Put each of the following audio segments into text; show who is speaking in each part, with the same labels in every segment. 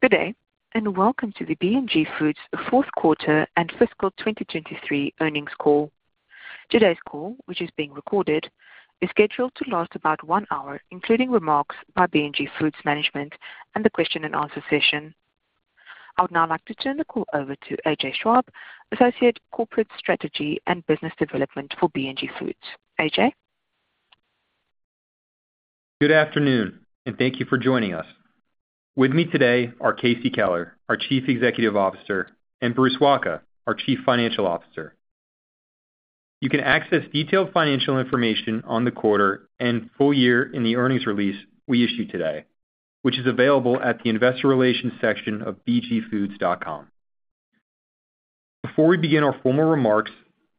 Speaker 1: Good day and welcome to the B&G Foods fourth quarter and fiscal 2023 earnings call. Today's call, which is being recorded, is scheduled to last about one hour, including remarks by B&G Foods management and the question-and-answer session. I would now like to turn the call over to AJ Schwabe, Associate Corporate Strategy and Business Development for B&G Foods. AJ?
Speaker 2: Good afternoon, and thank you for joining us. With me today are Casey Keller, our Chief Executive Officer, and Bruce Wacha, our Chief Financial Officer. You can access detailed financial information on the quarter and full year in the earnings release we issue today, which is available at the investor relations section of bgfoods.com. Before we begin our formal remarks,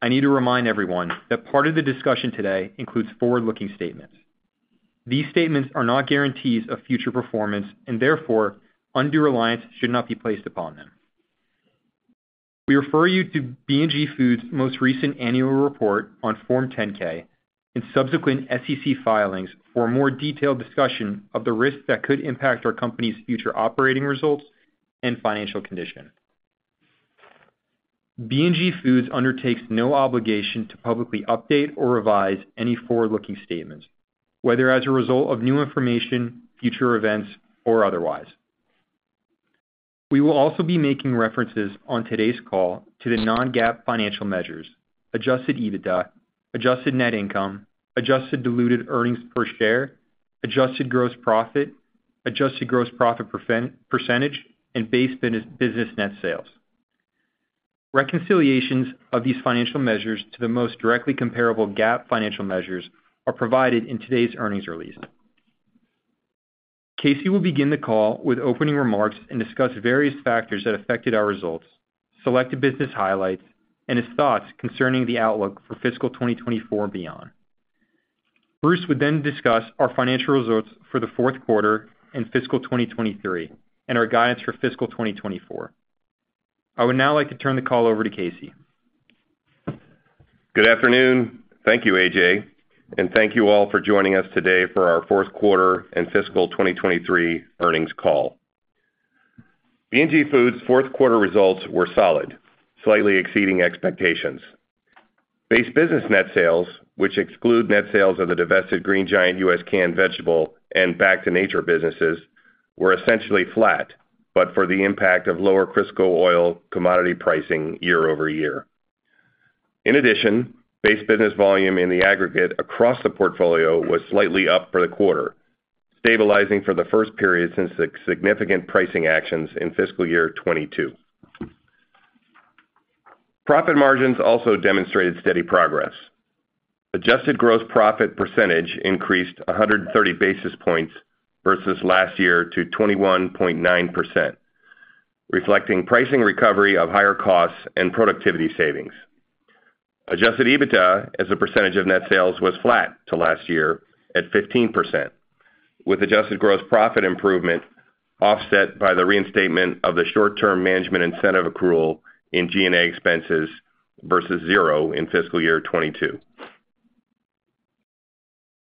Speaker 2: I need to remind everyone that part of the discussion today includes forward-looking statements. These statements are not guarantees of future performance and, therefore, undue reliance should not be placed upon them. We refer you to B&G Foods' most recent annual report on Form 10-K and subsequent SEC filings for a more detailed discussion of the risks that could impact our company's future operating results and financial condition. B&G Foods undertakes no obligation to publicly update or revise any forward-looking statements, whether as a result of new information, future events, or otherwise. We will also be making references on today's call to the non-GAAP financial measures: adjusted EBITDA, Adjusted Net Income, Adjusted Diluted Earnings Per Share, Adjusted Gross Profit, Adjusted Gross Profit Percentage, and Base Business Net Sales. Reconciliations of these financial measures to the most directly comparable GAAP financial measures are provided in today's earnings release. Casey will begin the call with opening remarks and discuss various factors that affected our results, selected business highlights, and his thoughts concerning the outlook for fiscal 2024 and beyond. Bruce would then discuss our financial results for the fourth quarter and fiscal 2023 and our guidance for fiscal 2024. I would now like to turn the call over to Casey.
Speaker 3: Good afternoon. Thank you, AJ, and thank you all for joining us today for our fourth quarter and fiscal 2023 earnings call. B&G Foods' fourth quarter results were solid, slightly exceeding expectations. Base business net sales, which exclude net sales of the divested Green Giant U.S. canned vegetable and Back to Nature businesses, were essentially flat but for the impact of lower Crisco oil commodity pricing year-over-year. In addition, base business volume in the aggregate across the portfolio was slightly up for the quarter, stabilizing for the first period since the significant pricing actions in fiscal year 2022. Profit margins also demonstrated steady progress. Adjusted gross profit percentage increased 130 basis points versus last year to 21.9%, reflecting pricing recovery of higher costs and productivity savings. Adjusted EBITDA, as a percentage of net sales, was flat to last year at 15%, with adjusted gross profit improvement offset by the reinstatement of the short-term management incentive accrual in G&A expenses versus zero in fiscal year 2022.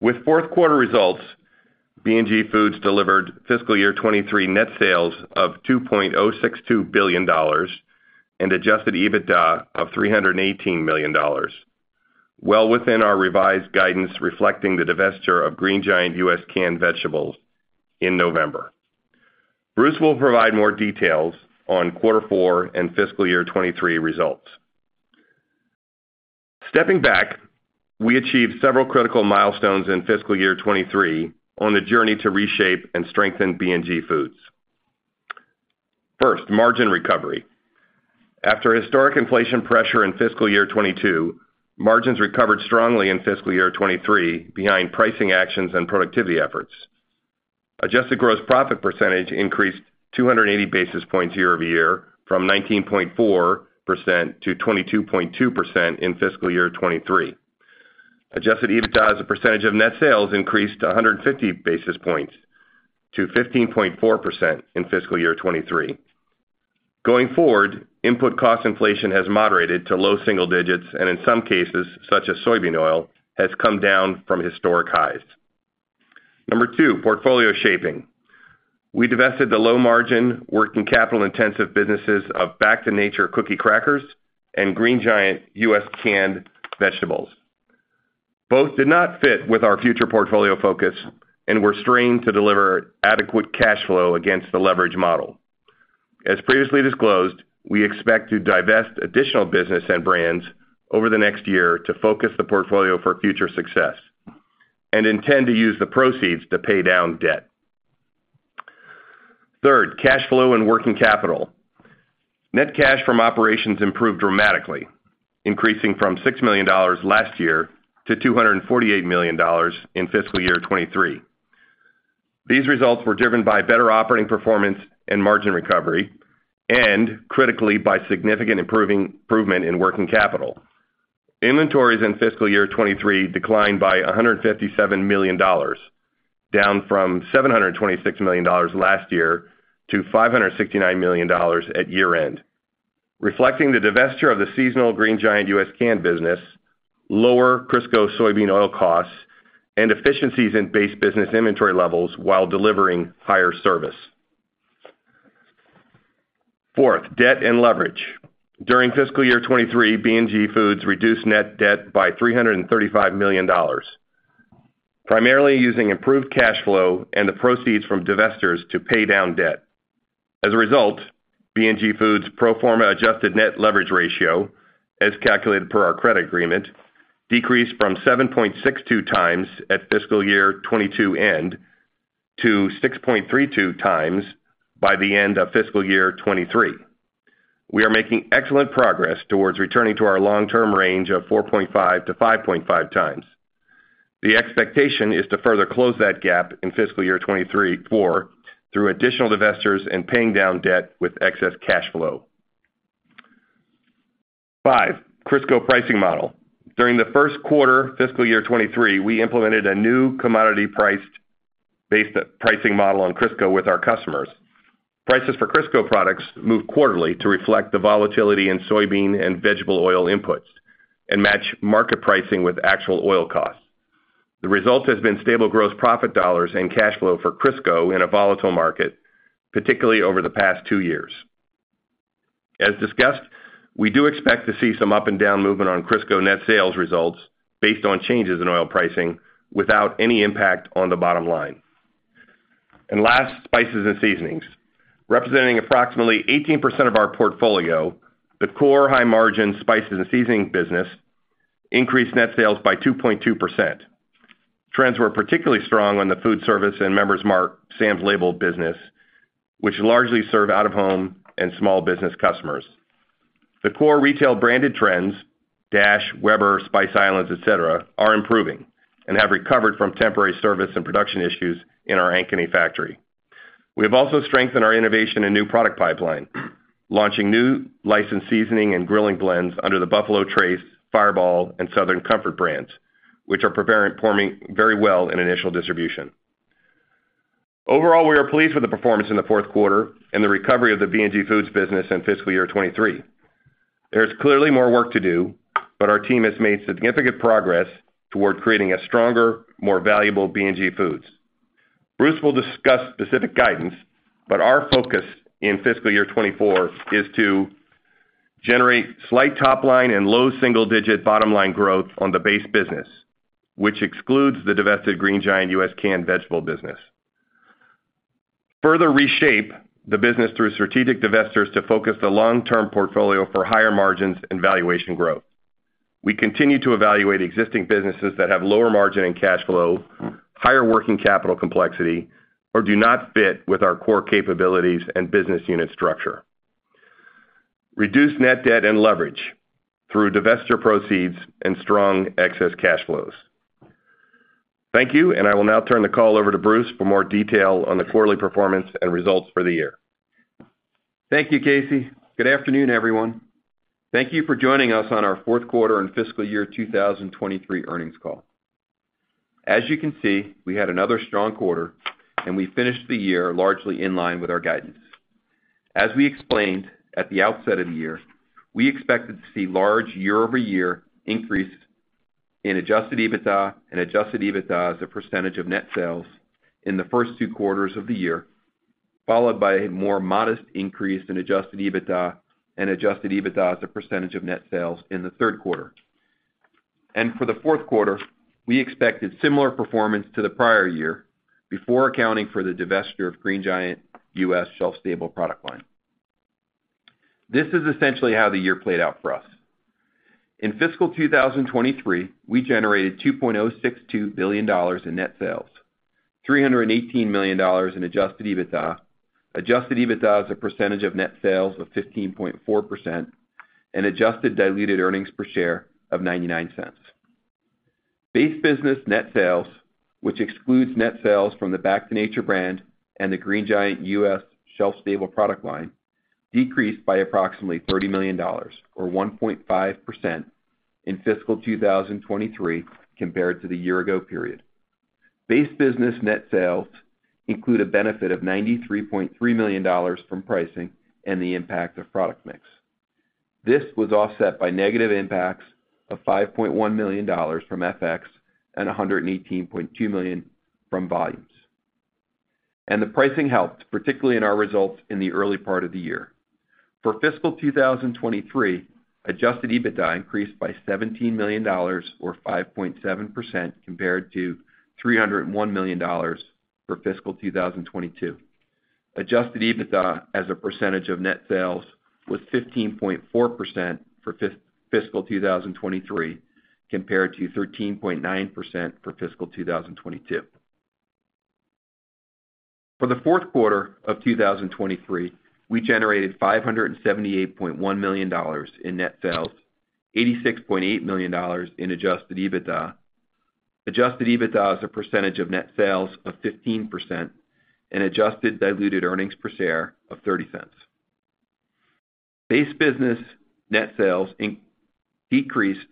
Speaker 3: With fourth quarter results, B&G Foods delivered fiscal year 2023 net sales of $2.062 billion and adjusted EBITDA of $318 million, well within our revised guidance reflecting the divestiture of Green Giant U.S. canned vegetables in November. Bruce will provide more details on quarter four and fiscal year 2023 results. Stepping back, we achieved several critical milestones in fiscal year 2023 on the journey to reshape and strengthen B&G Foods. First, margin recovery. After historic inflation pressure in fiscal year 2022, margins recovered strongly in fiscal year 2023 behind pricing actions and productivity efforts. Adjusted Gross Profit percentage increased 280 basis points year-over-year from 19.4% to 22.2% in fiscal year 2023. Adjusted EBITDA, as a percentage of net sales, increased 150 basis points to 15.4% in fiscal year 2023. Going forward, input cost inflation has moderated to low single digits and in some cases such as soybean oil, has come down from historic highs. Number two, portfolio shaping. We divested the low-margin, working capital-intensive businesses of Back to Nature, cookie crackers and Green Giant U.S. canned vegetables. Both did not fit with our future portfolio focus and were strained to deliver adequate cash flow against the leverage model. As previously disclosed, we expect to divest additional business and brands over the next year to focus the portfolio for future success and intend to use the proceeds to pay down debt. Third, cash flow and working capital. Net cash from operations improved dramatically, increasing from $6 million last year to $248 million in fiscal year 2023. These results were driven by better operating performance and margin recovery and, critically, by significant improvement in working capital. Inventories in fiscal year 2023 declined by $157 million, down from $726 million last year to $569 million at year-end. Reflecting the divestiture of the seasonal Green Giant U.S. canned business, lower Crisco soybean oil costs, and efficiencies in base business inventory levels while delivering higher service. Fourth, debt and leverage. During fiscal year 2023, B&G Foods reduced net debt by $335 million, primarily using improved cash flow and the proceeds from divestitures to pay down debt. As a result, B&G Foods' pro forma adjusted net leverage ratio, as calculated per our credit agreement, decreased from 7.62x at fiscal year 2022 end to 6.32x by the end of fiscal year 2023. We are making excellent progress towards returning to our long-term range of 4.5x to 5.5x. The expectation is to further close that gap in fiscal year 2024 through additional divestitures and paying down debt with excess cash flow. five, Crisco pricing model. During the first quarter fiscal year 2023, we implemented a new commodity-priced pricing model on Crisco with our customers. Prices for Crisco products move quarterly to reflect the volatility in soybean and vegetable oil inputs and match market pricing with actual oil costs. The result has been stable gross profit dollars and cash flow for Crisco in a volatile market, particularly over the past two years. As discussed, we do expect to see some up-and-down movement on Crisco net sales results based on changes in oil pricing without any impact on the bottom line. Last, spices and seasonings. Representing approximately 18% of our portfolio, the core high-margin spices and seasoning business increased net sales by 2.2%. Trends were particularly strong on the food service and Member's Mark, Sam's label business, which largely serve out-of-home and small business customers. The core retail branded trends, Weber, Spice Islands, etc., are improving and have recovered from temporary service and production issues in our Ankeny factory. We have also strengthened our innovation and new product pipeline, launching new licensed seasoning and grilling blends under the Buffalo Trace, Fireball, and Southern Comfort brands, which are performing very well in initial distribution. Overall, we are pleased with the performance in the fourth quarter and the recovery of the B&G Foods business in fiscal year 2023. There is clearly more work to do, but our team has made significant progress toward creating a stronger, more valuable B&G Foods. Bruce will discuss specific guidance, but our focus in fiscal year 2024 is to generate slight top-line and low single-digit bottom-line growth on the base business, which excludes the divested Green Giant U.S. canned vegetable business. Further reshape the business through strategic divestitures to focus the long-term portfolio for higher margins and valuation growth. We continue to evaluate existing businesses that have lower margin and cash flow, higher working capital complexity, or do not fit with our core capabilities and business unit structure. Reduce net debt and leverage through divestiture proceeds and strong excess cash flows. Thank you, and I will now turn the call over to Bruce for more detail on the quarterly performance and results for the year.
Speaker 4: Thank you, Casey. Good afternoon, everyone. Thank you for joining us on our fourth quarter and fiscal year 2023 earnings call. As you can see, we had another strong quarter, and we finished the year largely in line with our guidance. As we explained at the outset of the year, we expected to see large year-over-year increases in Adjusted EBITDA and Adjusted EBITDA as a percentage of net sales in the first two quarters of the year, followed by a more modest increase in Adjusted EBITDA and Adjusted EBITDA as a percentage of net sales in the third quarter. And for the fourth quarter, we expected similar performance to the prior year before accounting for the divestiture of Green Giant U.S. shelf-stable product line. This is essentially how the year played out for us. In fiscal 2023, we generated $2.062 billion in net sales, $318 million in Adjusted EBITDA, Adjusted EBITDA as a percentage of net sales of 15.4%, and adjusted diluted earnings per share of $0.99. Base business net sales, which excludes net sales from the Back to Nature brand and the Green Giant US shelf-stable product line, decreased by approximately $30 million or 1.5% in fiscal 2023 compared to the year-ago period. Base business net sales include a benefit of $93.3 million from pricing and the impact of product mix. This was offset by negative impacts of $5.1 million from FX and $118.2 million from volumes. And the pricing helped, particularly in our results in the early part of the year. For fiscal 2023, Adjusted EBITDA increased by $17 million or 5.7% compared to $301 million for fiscal 2022. Adjusted EBITDA as a percentage of net sales was 15.4% for fiscal 2023 compared to 13.9% for fiscal 2022. For the fourth quarter of 2023, we generated $578.1 million in net sales, $86.8 million in adjusted EBITDA. Adjusted EBITDA as a percentage of net sales of 15% and adjusted diluted earnings per share of $0.30. Base business net sales decreased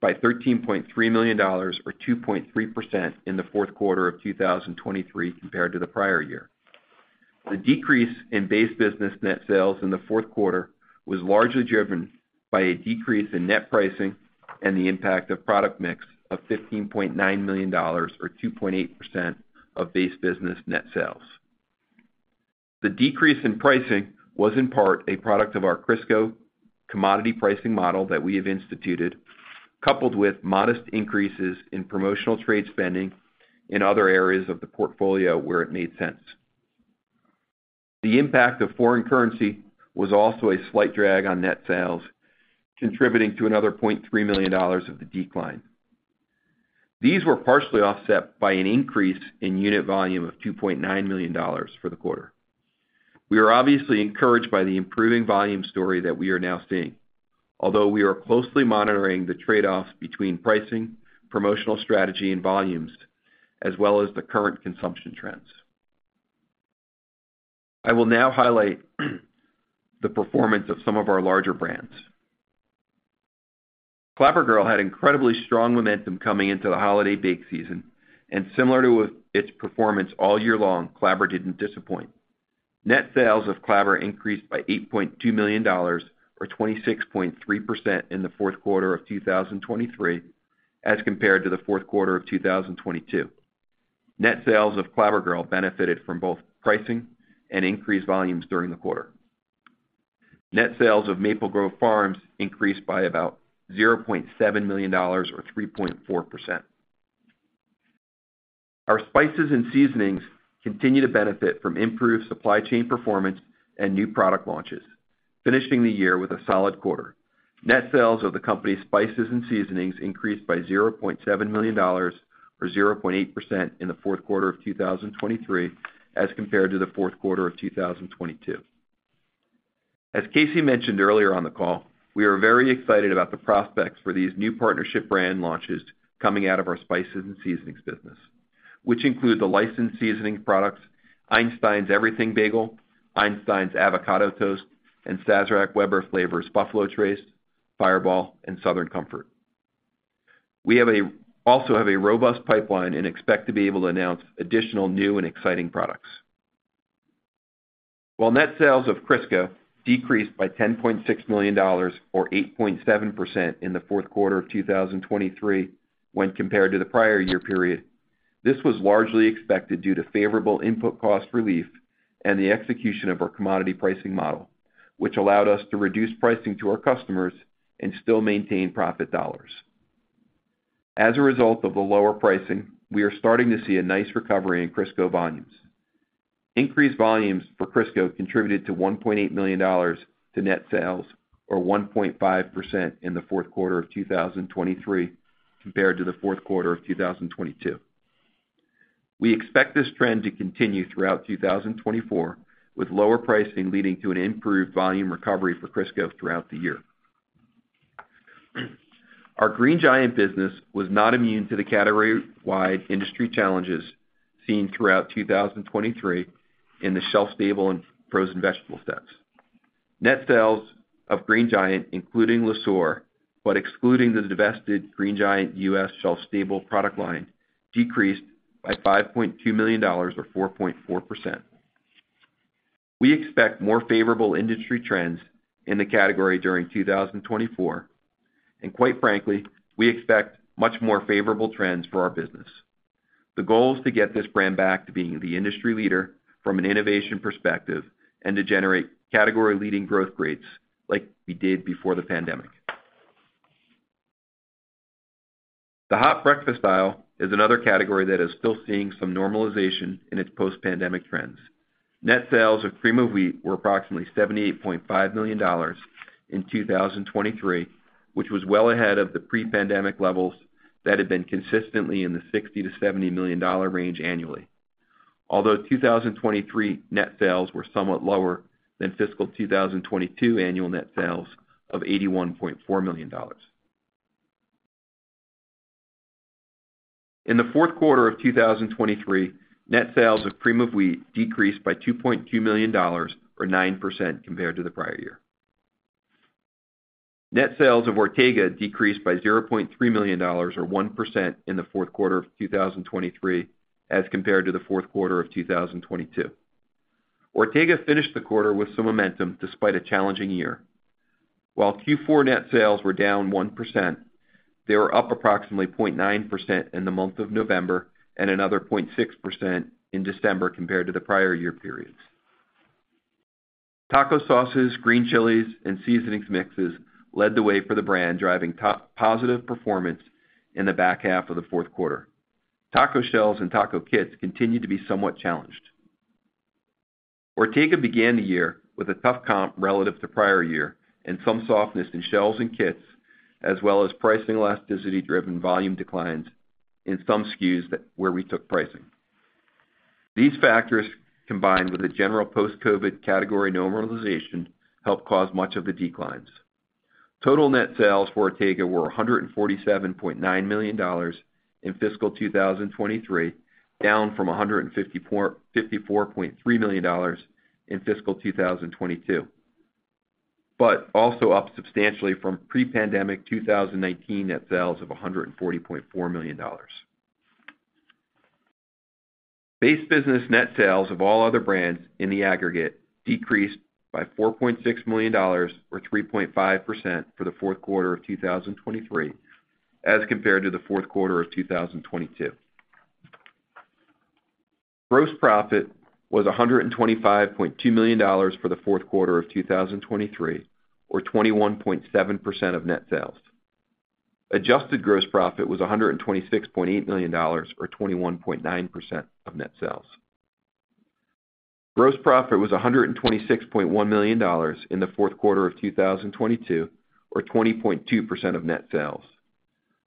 Speaker 4: by $13.3 million or 2.3% in the fourth quarter of 2023 compared to the prior year. The decrease in base business net sales in the fourth quarter was largely driven by a decrease in net pricing and the impact of product mix of $15.9 million or 2.8% of base business net sales. The decrease in pricing was in part a product of our Crisco commodity pricing model that we have instituted, coupled with modest increases in promotional trade spending in other areas of the portfolio where it made sense. The impact of foreign currency was also a slight drag on net sales, contributing to another $0.3 million of the decline. These were partially offset by an increase in unit volume of $2.9 million for the quarter. We are obviously encouraged by the improving volume story that we are now seeing, although we are closely monitoring the trade-offs between pricing, promotional strategy, and volumes, as well as the current consumption trends. I will now highlight the performance of some of our larger brands. Clabber Girl had incredibly strong momentum coming into the holiday bake season, and similar to its performance all year long, Clabber didn't disappoint. Net sales of Clabber increased by $8.2 million or 26.3% in the fourth quarter of 2023 as compared to the fourth quarter of 2022. Net sales of Clabber Girl benefited from both pricing and increased volumes during the quarter. Net sales of Maple Grove Farms increased by about $0.7 million or 3.4%. Our spices and seasonings continue to benefit from improved supply chain performance and new product launches, finishing the year with a solid quarter. Net sales of the company's spices and seasonings increased by $0.7 million or 0.8% in the fourth quarter of 2023 as compared to the fourth quarter of 2022. As Casey mentioned earlier on the call, we are very excited about the prospects for these new partnership brand launches coming out of our spices and seasonings business, which include the licensed seasoning products Einstein's Everything Bagel, Einstein's Avocado Toast, and Sazerac Weber flavors Buffalo Trace, Fireball, and Southern Comfort. We also have a robust pipeline and expect to be able to announce additional new and exciting products. While net sales of Crisco decreased by $10.6 million or 8.7% in the fourth quarter of 2023 when compared to the prior year period, this was largely expected due to favorable input cost relief and the execution of our commodity pricing model, which allowed us to reduce pricing to our customers and still maintain profit dollars. As a result of the lower pricing, we are starting to see a nice recovery in Crisco volumes. Increased volumes for Crisco contributed to $1.8 million to net sales or 1.5% in the fourth quarter of 2023 compared to the fourth quarter of 2022. We expect this trend to continue throughout 2024, with lower pricing leading to an improved volume recovery for Crisco throughout the year. Our Green Giant business was not immune to the category-wide industry challenges seen throughout 2023 in the shelf-stable and frozen vegetable sets. Net sales of Green Giant, including Le Sueur, but excluding the divested Green Giant U.S. shelf-stable product line, decreased by $5.2 million or 4.4%. We expect more favorable industry trends in the category during 2024. Quite frankly, we expect much more favorable trends for our business. The goal is to get this brand back to being the industry leader from an innovation perspective and to generate category-leading growth rates like we did before the pandemic. The hot breakfast aisle is another category that is still seeing some normalization in its post-pandemic trends. Net sales of Cream of Wheat were approximately $78.5 million in 2023, which was well ahead of the pre-pandemic levels that had been consistently in the $60-$70 million range annually, although 2023 net sales were somewhat lower than fiscal 2022 annual net sales of $81.4 million. In the fourth quarter of 2023, net sales of Cream of Wheat decreased by $2.2 million or 9% compared to the prior year. Net sales of Ortega decreased by $0.3 million or 1% in the fourth quarter of 2023 as compared to the fourth quarter of 2022. Ortega finished the quarter with some momentum despite a challenging year. While Q4 net sales were down 1%, they were up approximately 0.9% in the month of November and another 0.6% in December compared to the prior year periods. Taco sauces, green chilies, and seasonings mixes led the way for the brand, driving positive performance in the back half of the fourth quarter. Taco shells and taco kits continued to be somewhat challenged. Ortega began the year with a tough comp relative to prior year and some softness in shells and kits, as well as pricing elasticity-driven volume declines in some SKUs where we took pricing. These factors, combined with the general post-COVID category normalization, helped cause much of the declines. Total net sales for Ortega were $147.9 million in fiscal 2023, down from $154.3 million in fiscal 2022, but also up substantially from pre-pandemic 2019 net sales of $140.4 million. Base business net sales of all other brands in the aggregate decreased by $4.6 million or 3.5% for the fourth quarter of 2023 as compared to the fourth quarter of 2022. Gross profit was $125.2 million for the fourth quarter of 2023 or 21.7% of net sales. Adjusted gross profit was $126.8 million or 21.9% of net sales. Gross profit was $126.1 million in the fourth quarter of 2022 or 20.2% of net sales.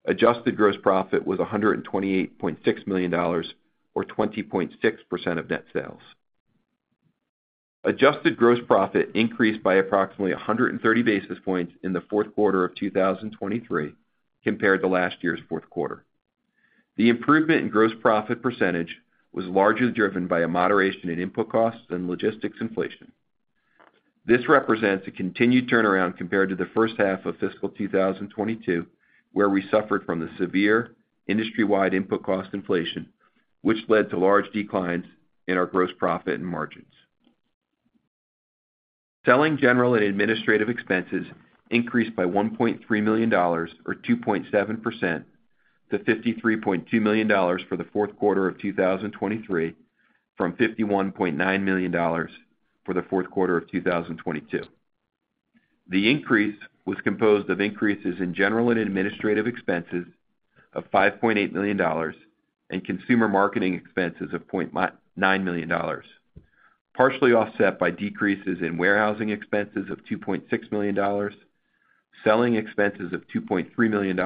Speaker 4: Adjusted gross profit was $128.6 million or 20.6% of net sales. Adjusted gross profit increased by approximately 130 basis points in the fourth quarter of 2023 compared to last year's fourth quarter. The improvement in gross profit percentage was largely driven by a moderation in input costs and logistics inflation. This represents a continued turnaround compared to the first half of fiscal 2022, where we suffered from the severe industry-wide input cost inflation, which led to large declines in our gross profit and margins. Selling, general, and administrative expenses increased by $1.3 million or 2.7% to $53.2 million for the fourth quarter of 2023 from $51.9 million for the fourth quarter of 2022. The increase was composed of increases in general and administrative expenses of $5.8 million and consumer marketing expenses of $0.9 million, partially offset by decreases in warehousing expenses of $2.6 million, selling expenses of $2.3 million,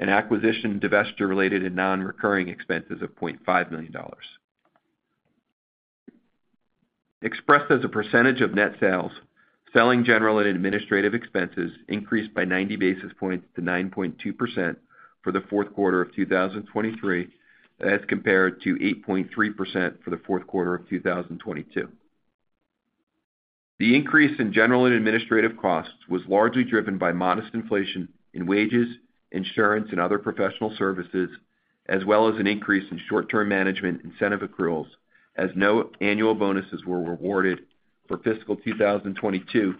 Speaker 4: and acquisition, divestiture-related, and non-recurring expenses of $0.5 million. Expressed as a percentage of net sales, selling general and administrative expenses increased by 90 basis points to 9.2% for the fourth quarter of 2023 as compared to 8.3% for the fourth quarter of 2022. The increase in general and administrative costs was largely driven by modest inflation in wages, insurance, and other professional services, as well as an increase in short-term management incentive accruals as no annual bonuses were rewarded for fiscal 2022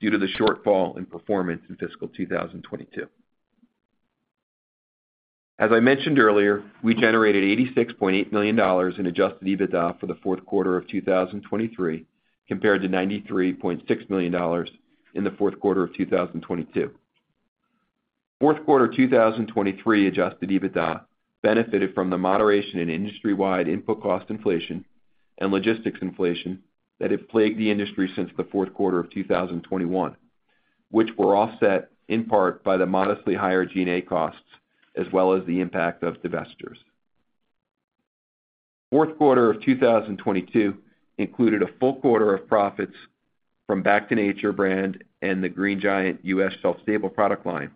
Speaker 4: due to the shortfall in performance in fiscal 2022. As I mentioned earlier, we generated $86.8 million in adjusted EBITDA for the fourth quarter of 2023 compared to $93.6 million in the fourth quarter of 2022. Fourth quarter 2023 adjusted EBITDA benefited from the moderation in industry-wide input cost inflation and logistics inflation that had plagued the industry since the fourth quarter of 2021, which were offset in part by the modestly higher G&A costs as well as the impact of divestitures. Fourth quarter of 2022 included a full quarter of profits from Back to Nature brand and the Green Giant U.S. shelf-stable product line,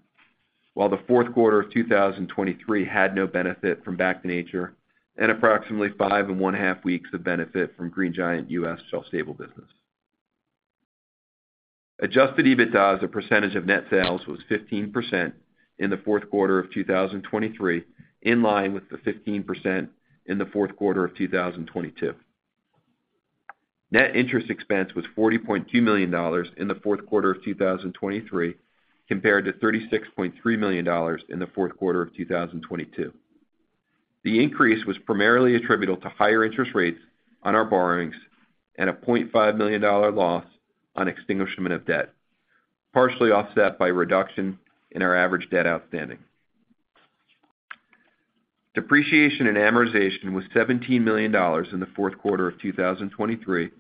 Speaker 4: while the fourth quarter of 2023 had no benefit from Back to Nature and approximately five and one-half weeks of benefit from Green Giant U.S. shelf-stable business. Adjusted EBITDA as a percentage of net sales was 15% in the fourth quarter of 2023, in line with the 15% in the fourth quarter of 2022. Net interest expense was $40.2 million in the fourth quarter of 2023 compared to $36.3 million in the fourth quarter of 2022. The increase was primarily attributable to higher interest rates on our borrowings and a $0.5 million loss on extinguishment of debt, partially offset by a reduction in our average debt outstanding. Depreciation and amortization was $17 million in the fourth quarter of 2023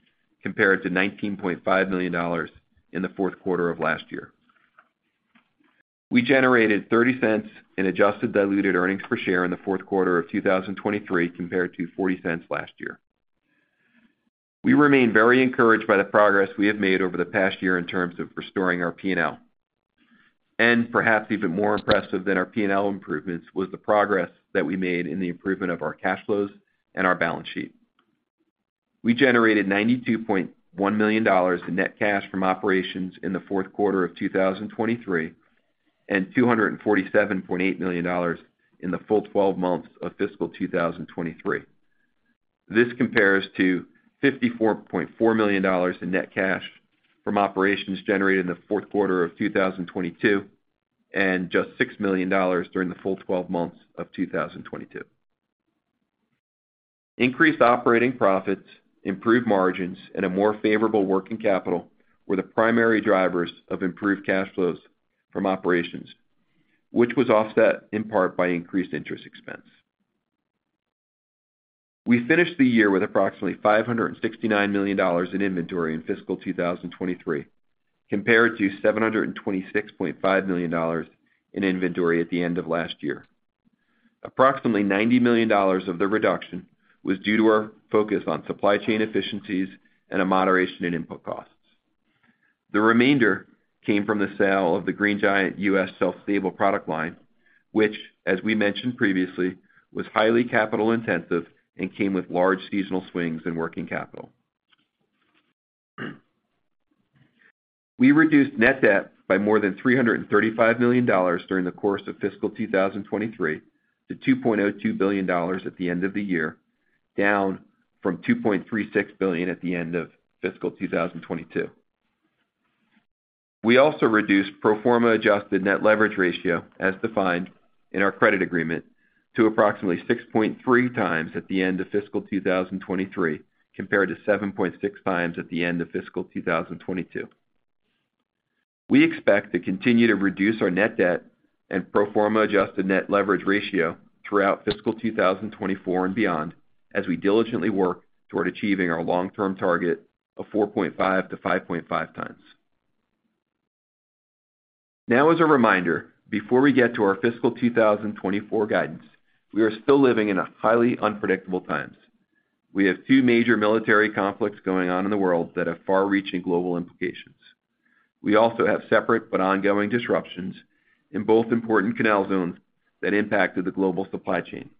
Speaker 4: compared to $19.5 million in the fourth quarter of last year. We generated $0.30 in Adjusted Diluted Earnings Per Share in the fourth quarter of 2023 compared to $0.40 last year. We remain very encouraged by the progress we have made over the past year in terms of restoring our P&L. Perhaps even more impressive than our P&L improvements was the progress that we made in the improvement of our cash flows and our balance sheet. We generated $92.1 million in net cash from operations in the fourth quarter of 2023 and $247.8 million in the full 12 months of fiscal 2023. This compares to $54.4 million in net cash from operations generated in the fourth quarter of 2022 and just $6 million during the full 12 months of 2022. Increased operating profits, improved margins, and a more favorable working capital were the primary drivers of improved cash flows from operations, which was offset in part by increased interest expense. We finished the year with approximately $569 million in inventory in fiscal 2023 compared to $726.5 million in inventory at the end of last year. Approximately $90 million of the reduction was due to our focus on supply chain efficiencies and a moderation in input costs. The remainder came from the sale of the Green Giant U.S. shelf-stable product line, which, as we mentioned previously, was highly capital-intensive and came with large seasonal swings in working capital. We reduced net debt by more than $335 million during the course of fiscal 2023 to $2.02 billion at the end of the year, down from $2.36 billion at the end of fiscal 2022. We also reduced pro forma adjusted net leverage ratio, as defined in our credit agreement, to approximately 6.3 times at the end of fiscal 2023 compared to 7.6 times at the end of fiscal 2022. We expect to continue to reduce our net debt and pro forma adjusted net leverage ratio throughout fiscal 2024 and beyond as we diligently work toward achieving our long-term target of 4.5x to 5.5x. Now, as a reminder, before we get to our fiscal 2024 guidance, we are still living in highly unpredictable times. We have two major military conflicts going on in the world that have far-reaching global implications. We also have separate but ongoing disruptions in both important canal zones that impacted the global supply chain.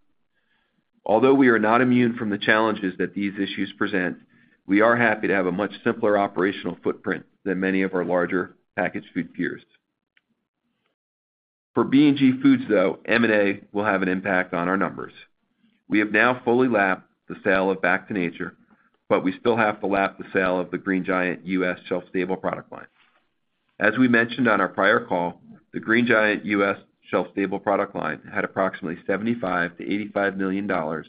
Speaker 4: Although we are not immune from the challenges that these issues present, we are happy to have a much simpler operational footprint than many of our larger packaged food peers. For B&G Foods, though, M&A will have an impact on our numbers. We have now fully lapped the sale of Back to Nature, but we still have to lap the sale of the Green Giant U.S. shelf-stable product line. As we mentioned on our prior call, the Green Giant U.S. shelf-stable product line had approximately $75 million-$85 million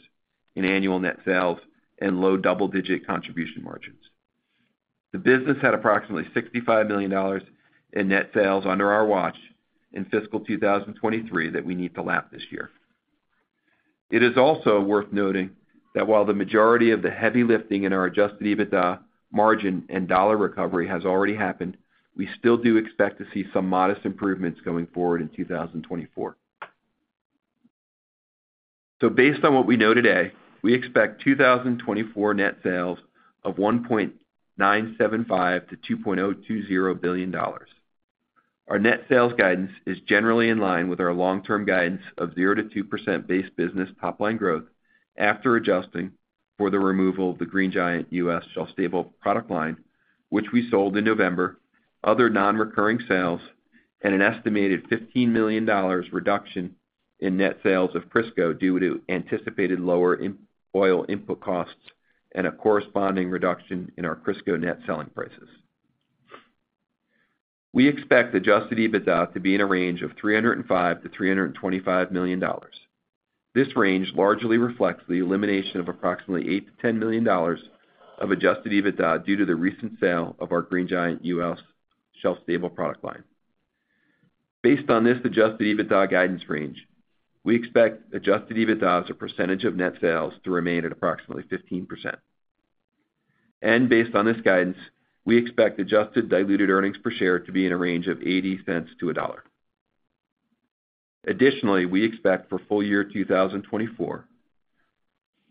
Speaker 4: in annual net sales and low double-digit contribution margins. The business had approximately $65 million in net sales under our watch in fiscal 2023 that we need to lap this year. It is also worth noting that while the majority of the heavy lifting in our Adjusted EBITDA, margin, and dollar recovery has already happened, we still do expect to see some modest improvements going forward in 2024. Based on what we know today, we expect 2024 net sales of $1.975 billion-$2.020 billion. Our net sales guidance is generally in line with our long-term guidance of 0%-2% base business top-line growth after adjusting for the removal of the Green Giant U.S. shelf-stable product line, which we sold in November, other non-recurring sales, and an estimated $15 million reduction in net sales of Crisco due to anticipated lower oil input costs and a corresponding reduction in our Crisco net selling prices. We expect Adjusted EBITDA to be in a range of $ 305 million-$325 million. This range largely reflects the elimination of approximately $8 million-$10 million of Adjusted EBITDA due to the recent sale of our Green Giant U.S. shelf-stable product line. Based on this Adjusted EBITDA guidance range, we expect Adjusted EBITDA as a percentage of net sales to remain at approximately 15%. Based on this guidance, we expect adjusted diluted earnings per share to be in a range of $0.80-$1. Additionally, we expect for full year 2024,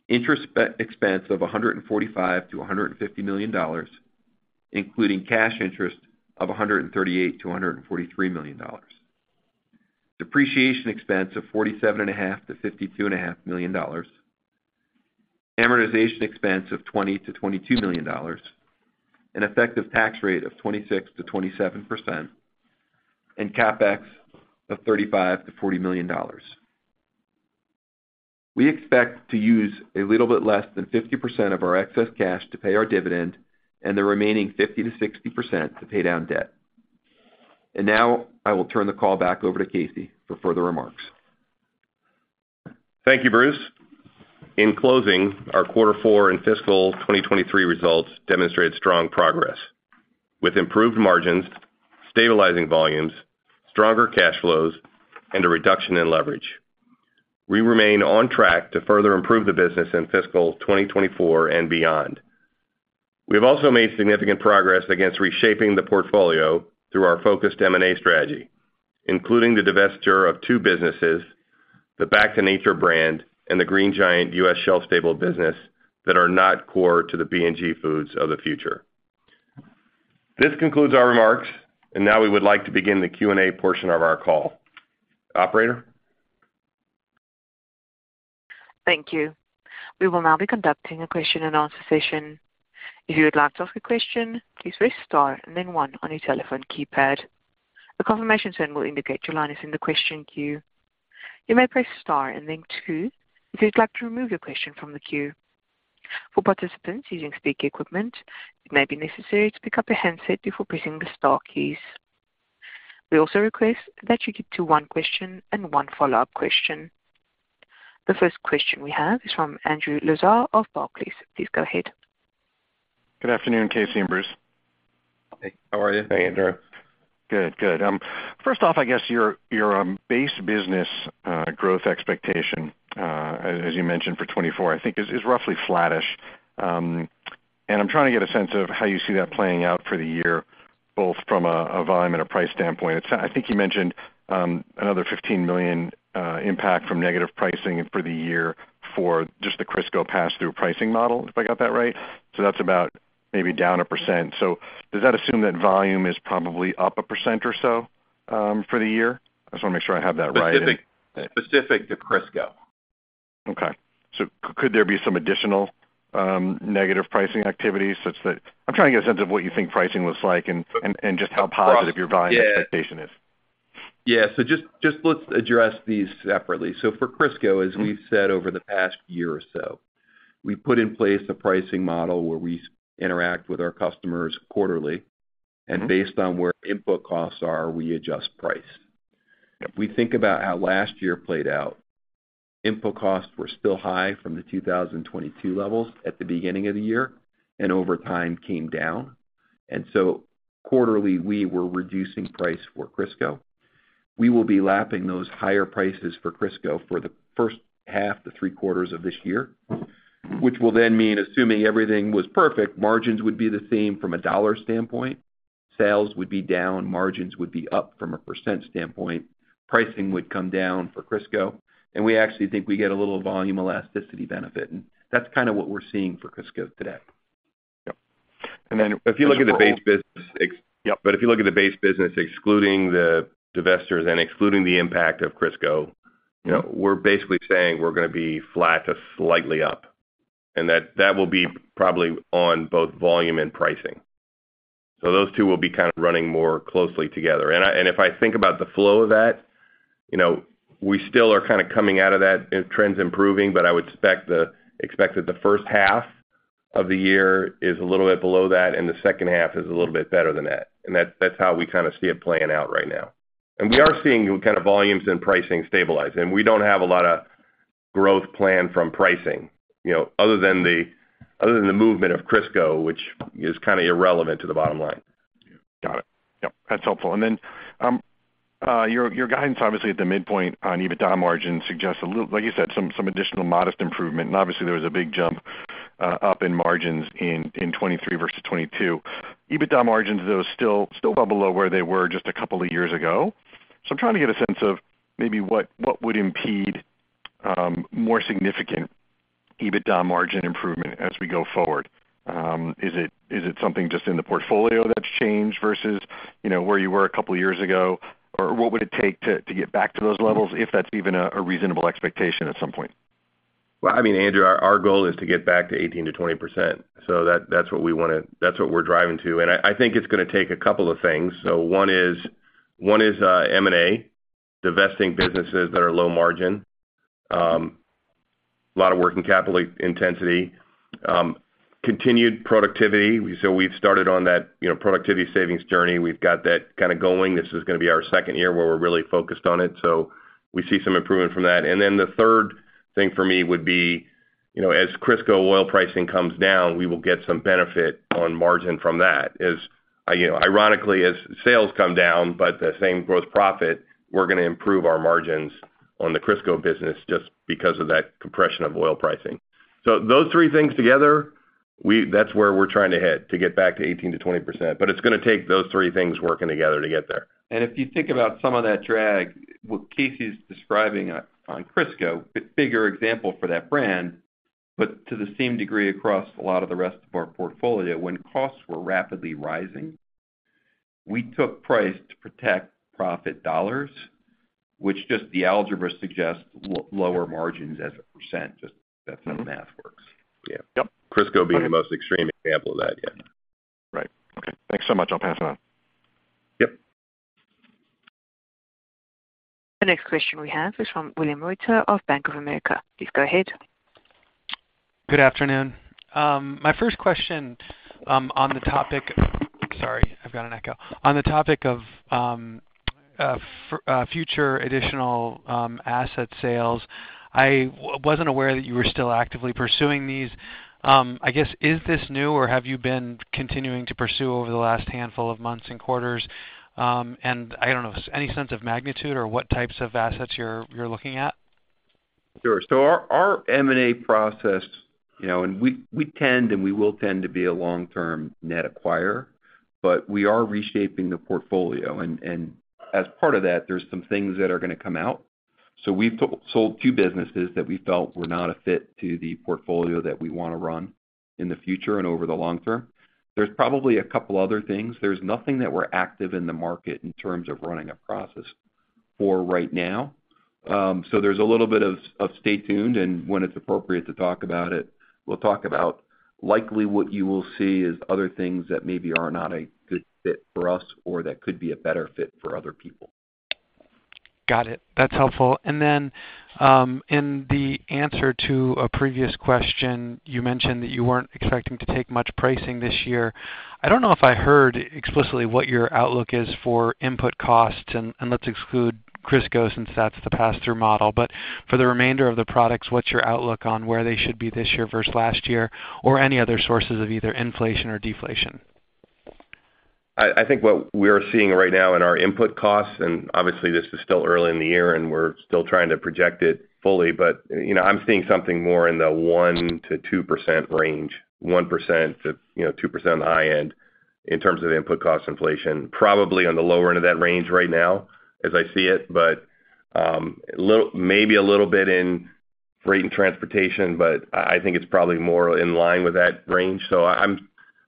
Speaker 4: interest expense of $145 million-$150 million, including cash interest of $138 million-$143 million, depreciation expense of $47,500,000-$52,500,000, amortization expense of $20 million-$22 million, an effective tax rate of 26%-27%, and CapEx of $35 miliion-$40 million. We expect to use a little bit less than 50% of our excess cash to pay our dividend and the remaining 50%-60% to pay down debt. Now I will turn the call back over to Casey for further remarks.
Speaker 3: Thank you, Bruce. In closing, our quarter four and fiscal 2023 results demonstrated strong progress with improved margins, stabilizing volumes, stronger cash flows, and a reduction in leverage. We remain on track to further improve the business in fiscal 2024 and beyond. We have also made significant progress against reshaping the portfolio through our focused M&A strategy, including the divestiture of two businesses, the Back to Nature brand, and the Green Giant U.S. shelf-stable business that are not core to the B&G Foods of the future. This concludes our remarks, and now we would like to begin the Q&A portion of our call. Operator?
Speaker 1: Thank you. We will now be conducting a question-and-answer session. If you would like to ask a question, please press star and then one on your telephone keypad. The confirmation sign will indicate your line is in the question queue. You may press star and then two if you'd like to remove your question from the queue. For participants using speaker equipment, it may be necessary to pick up your handset before pressing the star keys. We also request that you give two one-question and one-follow-up question. The first question we have is from Andrew Lazar of Barclays. Please go ahead.
Speaker 5: Good afternoon, Casey and Bruce.
Speaker 4: Hey.
Speaker 3: How are you?
Speaker 4: Hey, Andrew. good, good. First off, I guess your base business growth expectation, as you mentioned, for 2024, I think, is roughly flattish. I'm trying to get a sense of how you see that playing out for the year, both from a volume and a price standpoint. I think you mentioned another $15 million impact from negative pricing for the year for just the Crisco pass-through pricing model, if I got that right. That's about maybe down a percent. Does that assume that volume is probably up a percent or so for the year? I just want to make sure I have that right. Specific to Crisco.
Speaker 5: Okay. Could there be some additional negative pricing activity such that I'm trying to get a sense of what you think pricing looks like and just how positive your volume expectation is?
Speaker 4: Yeah. So just let's address these separately. So for Crisco, as we've said over the past year or so, we put in place a pricing model where we interact with our customers quarterly. And based on where input costs are, we adjust price. We think about how last year played out. Input costs were still high from the 2022 levels at the beginning of the year, and over time, came down. And so quarterly, we were reducing price for Crisco. We will be lapping those higher prices for Crisco for the first half, the three quarters of this year, which will then mean, assuming everything was perfect, margins would be the same from a dollar standpoint. Sales would be down. Margins would be up from a percent standpoint. Pricing would come down for Crisco. And we actually think we get a little volume elasticity benefit. That's kind of what we're seeing for Crisco today.
Speaker 5: Yep.
Speaker 3: But if you look at the base business, excluding the divestitures and excluding the impact of Crisco, we're basically saying we're going to be flat to slightly up. And that will be probably on both volume and pricing. So those two will be kind of running more closely together. And if I think about the flow of that, we still are kind of coming out of that. Trend's improving, but I would expect that the first half of the year is a little bit below that, and the second half is a little bit better than that. And that's how we kind of see it playing out right now. And we are seeing kind of volumes and pricing stabilize. And we don't have a lot of growth planned from pricing other than the movement of Crisco, which is kind of irrelevant to the bottom line.
Speaker 5: Yeah. Got it. Yep. That's helpful. And then your guidance, obviously, at the midpoint on EBITDA margins suggests, like you said, some additional modest improvement. And obviously, there was a big jump up in margins in 2023 versus 2022. EBITDA margins, though, still well below where they were just a couple of years ago. So I'm trying to get a sense of maybe what would impede more significant EBITDA margin improvement as we go forward. Is it something just in the portfolio that's changed versus where you were a couple of years ago? Or what would it take to get back to those levels if that's even a reasonable expectation at some point?
Speaker 3: Well, I mean, Andrew, our goal is to get back to 18%-20%. So that's what we want to that's what we're driving to. And I think it's going to take a couple of things. So one is M&A, divesting businesses that are low margin, a lot of working capital intensity, continued productivity. So we've started on that productivity savings journey. We've got that kind of going. This is going to be our second year where we're really focused on it. So we see some improvement from that. And then the third thing for me would be, as Crisco oil pricing comes down, we will get some benefit on margin from that. Ironically, as sales come down, but the same gross profit, we're going to improve our margins on the Crisco business just because of that compression of oil pricing. So those three things together, that's where we're trying to hit, to get back to 18%-20%. But it's going to take those three things working together to get there.
Speaker 4: If you think about some of that drag, what Casey's describing on Crisco, bigger example for that brand, but to the same degree across a lot of the rest of our portfolio, when costs were rapidly rising, we took price to protect profit dollars, which just the algebra suggests lower margins as a percent, just that's how the math works.
Speaker 5: Yeah. Yep.
Speaker 3: Crisco being the most extreme example of that, yeah.
Speaker 5: Right. Okay. Thanks so much. I'll pass it on.
Speaker 3: Yep.
Speaker 1: The next question we have is from William Reuter of Bank of America. Please go ahead.
Speaker 6: Good afternoon. My first question on the topic, sorry, I've got an echo. On the topic of future additional asset sales, I wasn't aware that you were still actively pursuing these. I guess, is this new, or have you been continuing to pursue over the last handful of months and quarters? And I don't know, any sense of magnitude or what types of assets you're looking at?
Speaker 3: Sure. So our M&A process, and we tend and we will tend to be a long-term net acquirer, but we are reshaping the portfolio. And as part of that, there's some things that are going to come out. So we've sold two businesses that we felt were not a fit to the portfolio that we want to run in the future and over the long term. There's probably a couple other things. There's nothing that we're active in the market in terms of running a process for right now. So there's a little bit of stay tuned. And when it's appropriate to talk about it, we'll talk about likely what you will see as other things that maybe are not a good fit for us or that could be a better fit for other people.
Speaker 6: Got it. That's helpful. And then in the answer to a previous question, you mentioned that you weren't expecting to take much pricing this year. I don't know if I heard explicitly what your outlook is for input costs. And let's exclude Crisco since that's the pass-through model. But for the remainder of the products, what's your outlook on where they should be this year versus last year or any other sources of either inflation or deflation?
Speaker 3: I think what we are seeing right now in our input costs and obviously, this is still early in the year, and we're still trying to project it fully. But I'm seeing something more in the 1%-2% range, 1%-2% on the high end in terms of input cost inflation, probably on the lower end of that range right now as I see it, but maybe a little bit in freight and transportation. But I think it's probably more in line with that range. So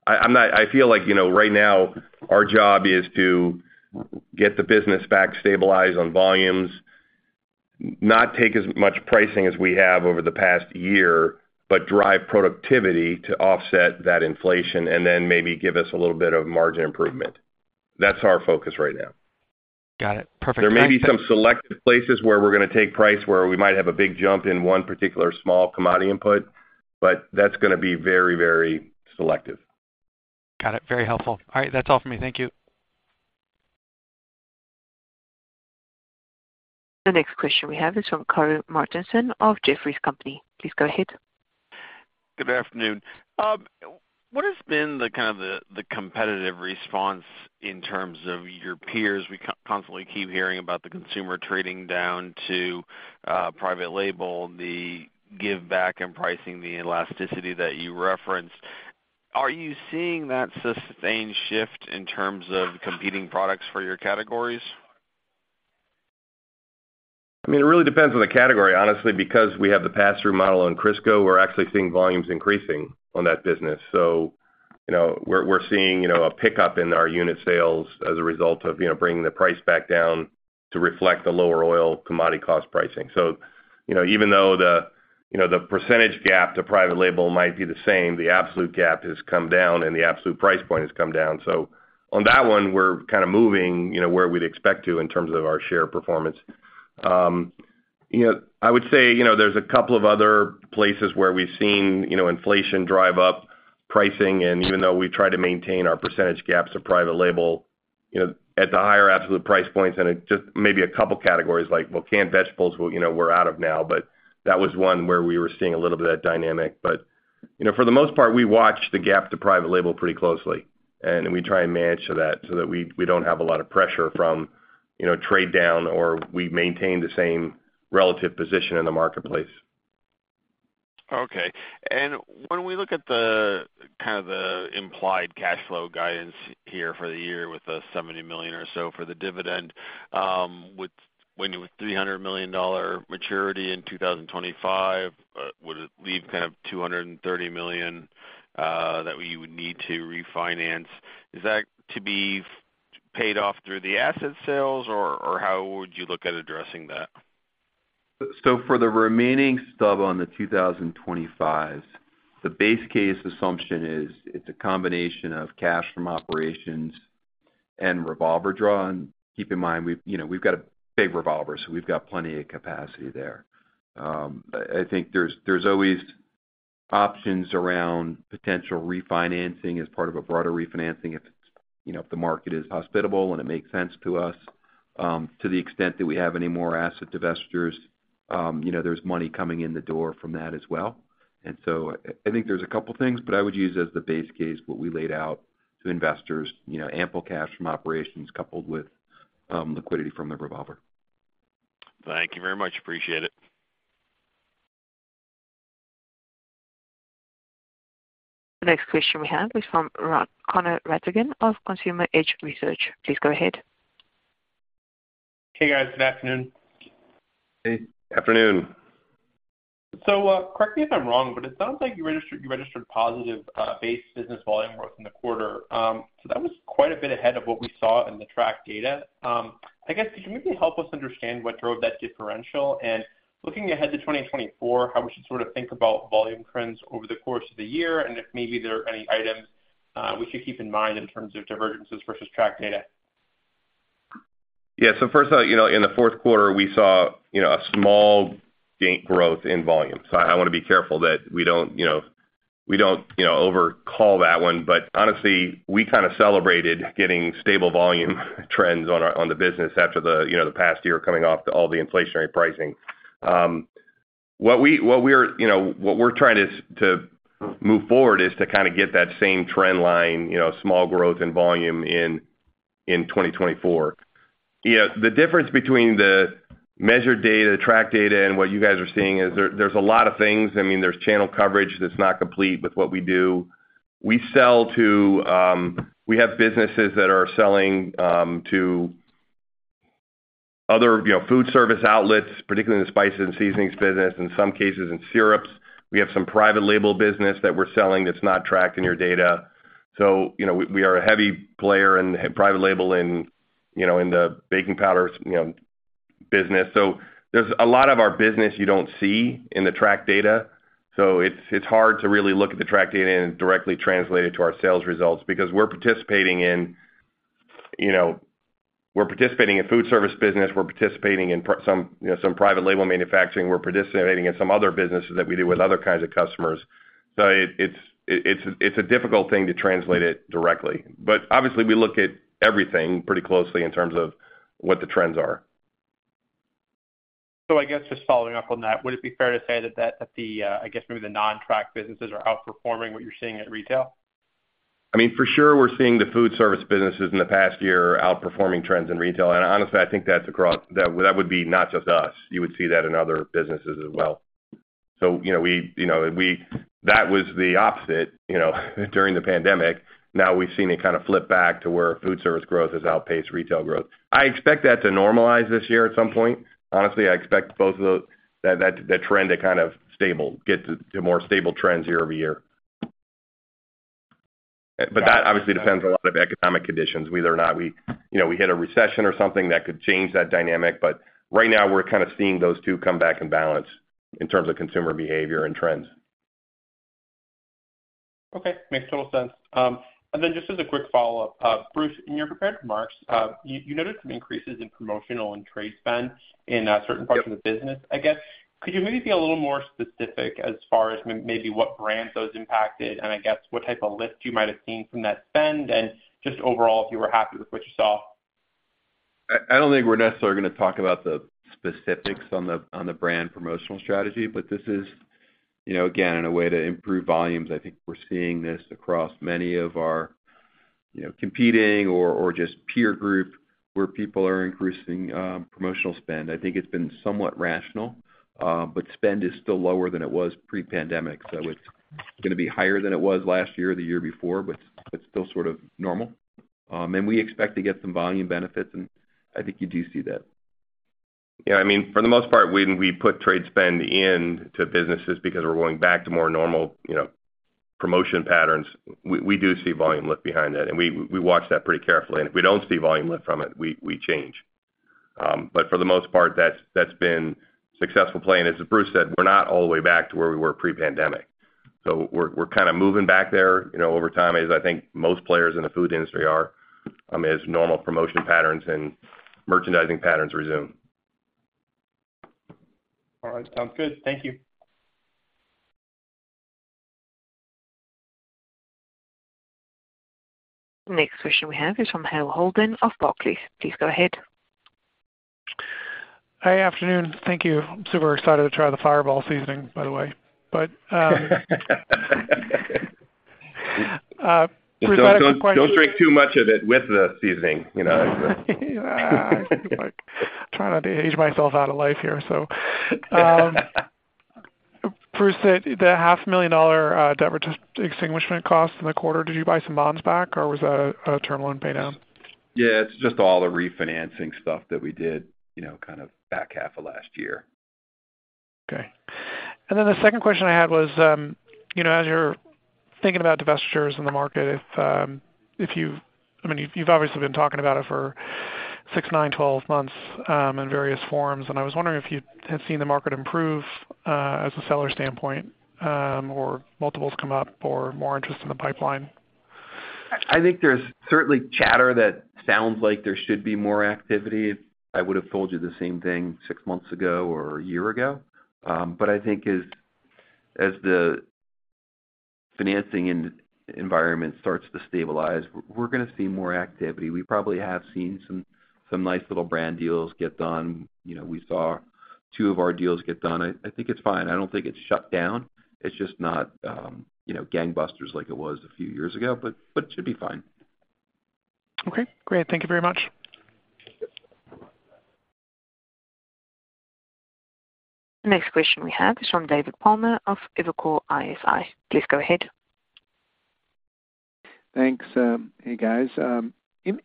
Speaker 3: I feel like right now, our job is to get the business back stabilized on volumes, not take as much pricing as we have over the past year, but drive productivity to offset that inflation and then maybe give us a little bit of margin improvement. That's our focus right now.
Speaker 6: Got it. Perfect. Thank you.
Speaker 3: There may be some selective places where we're going to take price where we might have a big jump in one particular small commodity input, but that's going to be very, very selective.
Speaker 6: Got it. Very helpful. All right. That's all from me. Thank you.
Speaker 1: The next question we have is from Karru Martinson of Jefferies. Please go ahead.
Speaker 7: Good afternoon. What has been kind of the competitive response in terms of your peers? We constantly keep hearing about the consumer trading down to private label, the give-back in pricing, the elasticity that you referenced. Are you seeing that sustained shift in terms of competing products for your categories?
Speaker 3: I mean, it really depends on the category, honestly. Because we have the pass-through model on Crisco, we're actually seeing volumes increasing on that business. So we're seeing a pickup in our unit sales as a result of bringing the price back down to reflect the lower oil commodity cost pricing. So even though the percentage gap to private label might be the same, the absolute gap has come down, and the absolute price point has come down. So on that one, we're kind of moving where we'd expect to in terms of our share performance. I would say there's a couple of other places where we've seen inflation drive up pricing. And even though we try to maintain our percentage gaps to private label at the higher absolute price points and just maybe a couple categories like canned vegetables, we're out of now. That was one where we were seeing a little bit of that dynamic. For the most part, we watch the gap to private label pretty closely. We try and manage to that so that we don't have a lot of pressure from trade down or we maintain the same relative position in the marketplace.
Speaker 7: Okay. And when we look at kind of the implied cash flow guidance here for the year with the $70 million or so for the dividend, when you have a $300 million maturity in 2025, would it leave kind of $230 million that you would need to refinance? Is that to be paid off through the asset sales, or how would you look at addressing that?
Speaker 4: So for the remaining stub on the 2025s, the base case assumption is it's a combination of cash from operations and revolver draw. And keep in mind, we've got a big revolver, so we've got plenty of capacity there. I think there's always options around potential refinancing as part of a broader refinancing if the market is hospitable and it makes sense to us. To the extent that we have any more asset divestors, there's money coming in the door from that as well. And so I think there's a couple of things, but I would use as the base case what we laid out to investors, ample cash from operations coupled with liquidity from the revolver.
Speaker 7: Thank you very much. Appreciate it.
Speaker 1: The next question we have is from Connor Rattigan of Consumer Edge Research. Please go ahead.
Speaker 8: Hey, guys. Good afternoon.
Speaker 3: Hey. Afternoon.
Speaker 8: So correct me if I'm wrong, but it sounds like you registered positive base business volume growth in the quarter. That was quite a bit ahead of what we saw in the track data. I guess, could you maybe help us understand what drove that differential? Looking ahead to 2024, how we should sort of think about volume trends over the course of the year and if maybe there are any items we should keep in mind in terms of divergences versus track data.
Speaker 3: Yeah. So first off, in the fourth quarter, we saw a small gain in growth in volume. So I want to be careful that we don't overcall that one. But honestly, we kind of celebrated getting stable volume trends on the business after the past year coming off all the inflationary pricing. What we're trying to move forward is to kind of get that same trend line, small growth in volume in 2024. The difference between the measured data, the track data, and what you guys are seeing is there's a lot of things. I mean, there's channel coverage that's not complete with what we do. We sell to, we have businesses that are selling to other food service outlets, particularly in the spices and seasonings business, in some cases in syrups. We have some private label business that we're selling that's not tracked in your data. So we are a heavy player in private label in the baking powder business. So there's a lot of our business you don't see in the track data. So it's hard to really look at the track data and directly translate it to our sales results because we're participating in food service business. We're participating in some private label manufacturing. We're participating in some other businesses that we do with other kinds of customers. So it's a difficult thing to translate it directly. But obviously, we look at everything pretty closely in terms of what the trends are.
Speaker 8: I guess just following up on that, would it be fair to say that, I guess, maybe the non-track businesses are outperforming what you're seeing at retail?
Speaker 3: I mean, for sure, we're seeing the food service businesses in the past year outperforming trends in retail. And honestly, I think that would be not just us. You would see that in other businesses as well. So that was the opposite during the pandemic. Now, we've seen it kind of flip back to where food service growth has outpaced retail growth. I expect that to normalize this year at some point. Honestly, I expect both of those that trend to kind of stable, get to more stable trends year over year. But that obviously depends a lot on economic conditions, whether or not we hit a recession or something that could change that dynamic. But right now, we're kind of seeing those two come back and balance in terms of consumer behavior and terms.
Speaker 8: Okay. Makes total sense. And then just as a quick follow-up, Bruce, in your prepared remarks, you noted some increases in promotional and trade spend in certain parts of the business, I guess. Could you maybe be a little more specific as far as maybe what brands those impacted and, I guess, what type of lift you might have seen from that spend and just overall if you were happy with what you saw?
Speaker 4: I don't think we're necessarily going to talk about the specifics on the brand promotional strategy. But this is, again, in a way to improve volumes. I think we're seeing this across many of our competing or just peer group where people are increasing promotional spend. I think it's been somewhat rational, but spend is still lower than it was pre-pandemic. So it's going to be higher than it was last year or the year before, but still sort of normal. And we expect to get some volume benefits, and I think you do see that.
Speaker 3: Yeah. I mean, for the most part, when we put trade spend into businesses because we're going back to more normal promotion patterns, we do see volume lift behind that. And we watch that pretty carefully. And if we don't see volume lift from it, we change. For the most part, that's been a successful plan. As Bruce said, we're not all the way back to where we were pre-pandemic. We're kind of moving back there over time as I think most players in the food industry are, as normal promotion patterns and merchandising patterns resume.
Speaker 8: All right. Sounds good. Thank you.
Speaker 1: Next question we have is from Hale Holden of Barclays. Please go ahead.
Speaker 9: Hi. Afternoon. Thank you. Super excited to try the Fireball seasoning, by the way. But Bruce, I got a question.
Speaker 3: Don't drink too much of it with the seasoning.
Speaker 9: I'm trying to age myself out of life here. So Bruce, the $500,000 debt reduction extinguishment cost in the quarter, did you buy some bonds back, or was that a term loan paydown?
Speaker 4: Yeah. It's just all the refinancing stuff that we did kind of back half of last year.
Speaker 9: Okay. And then the second question I had was, as you're thinking about divestitures in the market, if you've I mean, you've obviously been talking about it for six, nine, 12 months in various forms. And I was wondering if you had seen the market improve as a seller standpoint or multiples come up or more interest in the pipeline.
Speaker 4: I think there's certainly chatter that sounds like there should be more activity. I would have told you the same thing six months ago or a year ago. But I think as the financing environment starts to stabilize, we're going to see more activity. We probably have seen some nice little brand deals get done. We saw two of our deals get done. I think it's fine. I don't think it's shut down. It's just not gangbusters like it was a few years ago, but it should be fine.
Speaker 9: Okay. Great. Thank you very much.
Speaker 1: The next question we have is from David Palmer of Evercore ISI. Please go ahead.
Speaker 10: Thanks. Hey, guys.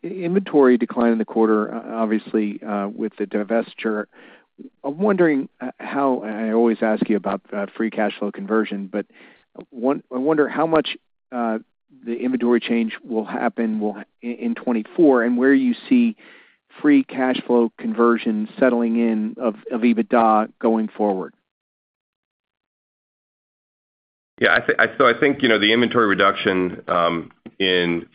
Speaker 10: Inventory decline in the quarter, obviously, with the divestiture. I'm wondering how I always ask you about free cash flow conversion, but I wonder how much the inventory change will happen in 2024 and where you see free cash flow conversion settling in of EBITDA going forward.
Speaker 3: Yeah. So I think the inventory reduction in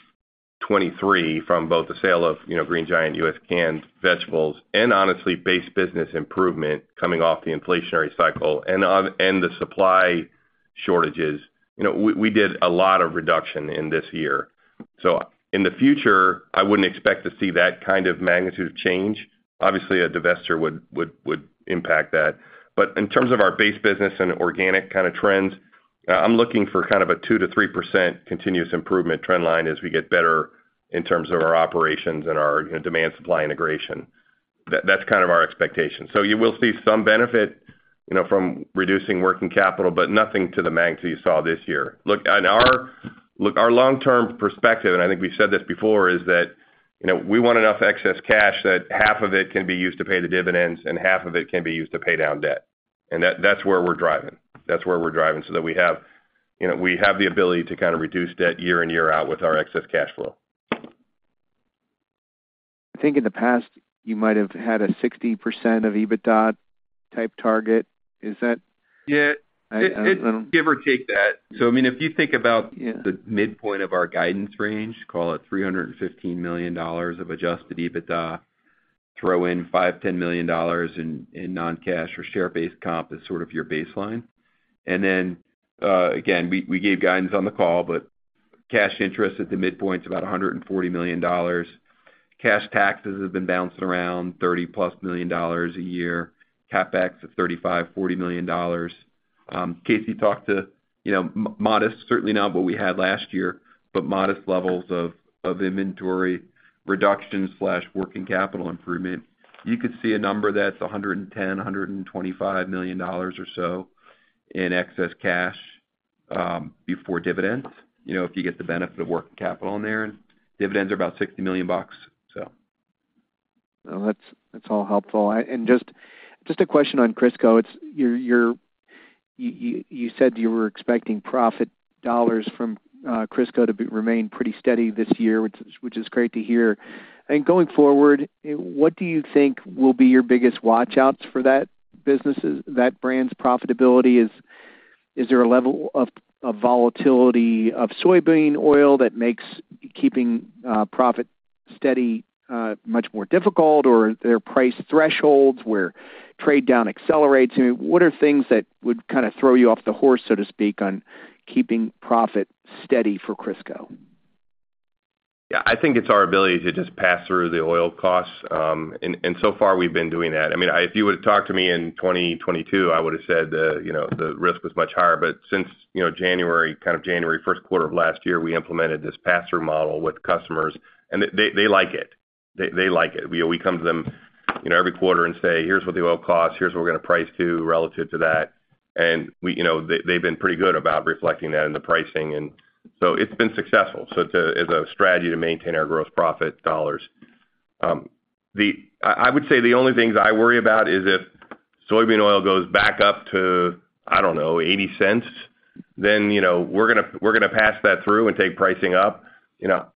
Speaker 3: 2023 from both the sale of Green Giant US canned vegetables and, honestly, base business improvement coming off the inflationary cycle and the supply shortages, we did a lot of reduction in this year. So in the future, I wouldn't expect to see that kind of magnitude of change. Obviously, a divestiture would impact that. But in terms of our base business and organic kind of trends, I'm looking for kind of a 2%-3% continuous improvement trendline as we get better in terms of our operations and our demand-supply integration. That's kind of our expectation. So you will see some benefit from reducing working capital, but nothing to the magnitude you saw this year. Our long-term perspective, and I think we've said this before, is that we want enough excess cash that half of it can be used to pay the dividends and half of it can be used to pay down debt. That's where we're driving. That's where we're driving so that we have the ability to kind of reduce debt year and year out with our excess cash flow.
Speaker 10: I think in the past, you might have had a 60% of EBITDA type target. Is that?
Speaker 4: Yeah. Give or take that. So I mean, if you think about the midpoint of our guidance range, call it $315 million of Adjusted EBITDA, throw in $5-$10 million in non-cash or share-based comp as sort of your baseline. And then again, we gave guidance on the call, but cash interest at the midpoint's about $140 million. Cash taxes have been bouncing around, $30+ million a year, CapEx of $35-$40 million. Casey talked to modest, certainly not what we had last year, but modest levels of inventory reductions/working capital improvement. You could see a number that's $110-$125 million or so in excess cash before dividends if you get the benefit of working capital in there. And dividends are about $60 million, so.
Speaker 10: Well, that's all helpful. Just a question on Crisco. You said you were expecting profit dollars from Crisco to remain pretty steady this year, which is great to hear. Going forward, what do you think will be your biggest watch-outs for that brand's profitability? Is there a level of volatility of soybean oil that makes keeping profit steady much more difficult, or are there price thresholds where trade down accelerates? I mean, what are things that would kind of throw you off the horse, so to speak, on keeping profit steady for Crisco?
Speaker 3: Yeah. I think it's our ability to just pass through the oil costs. And so far, we've been doing that. I mean, if you would have talked to me in 2022, I would have said the risk was much higher. But since kind of January first quarter of last year, we implemented this pass-through model with customers, and they like it. They like it. We come to them every quarter and say, "Here's what the oil costs. Here's what we're going to price to relative to that." And they've been pretty good about reflecting that in the pricing. And so it's been successful as a strategy to maintain our gross profit dollars. I would say the only things I worry about is if soybean oil goes back up to, I don't know, $0.80, then we're going to pass that through and take pricing up.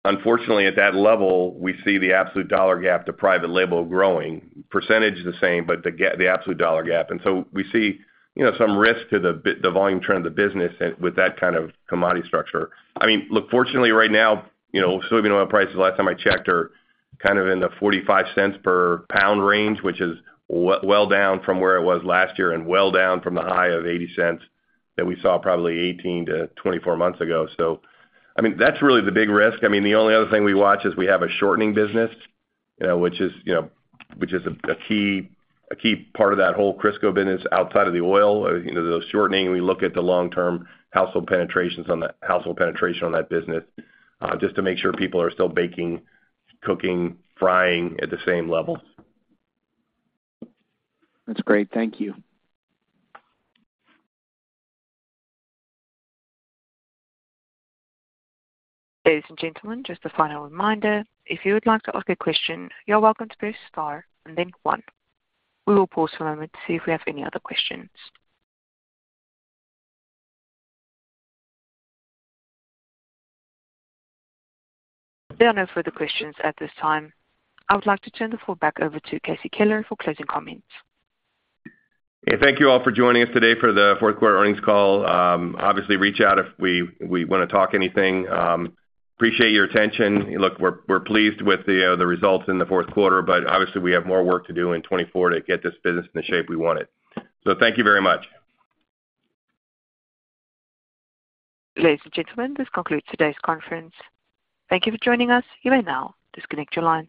Speaker 3: Unfortunately, at that level, we see the absolute dollar gap to private label growing, percentage the same, but the absolute dollar gap. And so we see some risk to the volume trend of the business with that kind of commodity structure. I mean, look, fortunately, right now, soybean oil prices, last time I checked, are kind of in the $0.45 per pound range, which is well down from where it was last year and well down from the high of $0.80 that we saw probably 18-24 months ago. So I mean, that's really the big risk. I mean, the only other thing we watch is we have a shortening business, which is a key part of that whole Crisco business outside of the oil, those shortening. We look at the long-term household penetration on that business just to make sure people are still baking, cooking, frying at the same level.
Speaker 10: That's great. Thank you.
Speaker 1: Ladies and gentlemen, just a final reminder. If you would like to ask a question, you're welcome to press star and then one. We will pause for a moment to see if we have any other questions. There are no further questions at this time. I would like to turn the floor back over to Casey Keller for closing comments.
Speaker 3: Hey, thank you all for joining us today for the fourth-quarter earnings call. Obviously, reach out if we want to talk anything. Appreciate your attention. Look, we're pleased with the results in the fourth quarter, but obviously, we have more work to do in 2024 to get this business in the shape we want it. Thank you very much.
Speaker 1: Ladies and gentlemen, this concludes today's conference. Thank you for joining us. You may now disconnect your line.